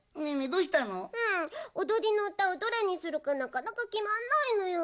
うんおどりのうたをどれにするかなかなかきまんないのよ。